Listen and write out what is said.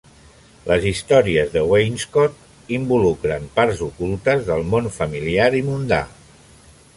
Les històries de Wainscot involucren parts ocultes del món familiar i mundà.